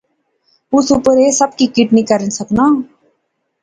اس اپر ایہہ سب کی کٹ نی کری سکنا